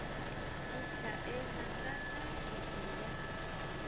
Tʼín chjaʼé nandá jan ndojo yá.